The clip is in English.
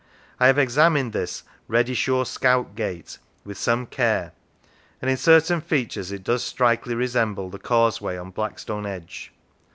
I have examined this " Reddyshore Scout gate " with some care, and in certain features it does strikingly resemble the causeway on Blackstone Edge.